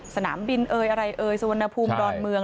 สนามบินเอยอะไรเอ่ยสุวรรณภูมิดอนเมือง